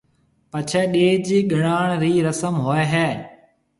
پڇيَ ڏيَج گڻاڻ رِي رسم ھوئيَ ھيََََ